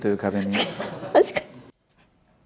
確かに。